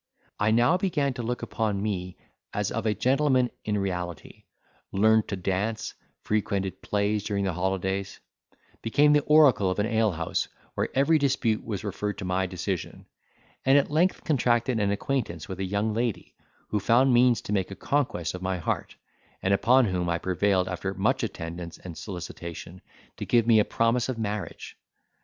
I now began to look upon me as of a gentleman in reality; learned to dance, frequented plays during the holidays; became the oracle of an ale house, where every dispute was referred to my decision; and at length contracted an acquaintance with a young lady, who found means to make a conquest of my heart, and upon whom I prevailed, after much attendance and solicitation, to give me a promise of marriage.